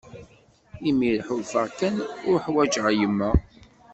Imir ḥulfaɣ kan uḥwaǧeɣ yemma.